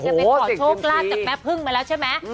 ไปขอโชคลาภจากแม่พึ่งมาแล้วใช่ไหม